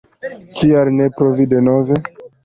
Kial ne provi denove?